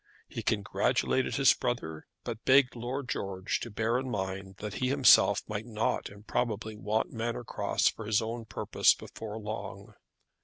He congratulated his brother, but begged Lord George to bear in mind that he himself might not improbably want Manor Cross for his own purpose before long.